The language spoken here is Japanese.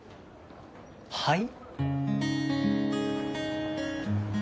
はい？